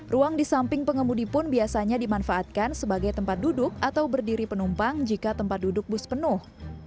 ruang di samping pengemudi pun biasanya dimanfaatkan sebagai tempat duduk atau berdiri penumpang jika tempat duduk bus penuh